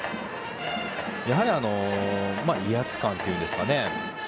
やはり威圧感というんですかね。